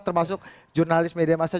termasuk jurnalis media masa